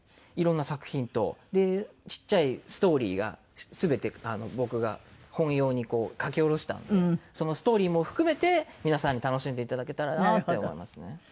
いろんな作品とちっちゃいストーリーが全て僕が本用に書き下ろしたのでそのストーリーも含めて皆さんに楽しんでいただけたらなって思いますね。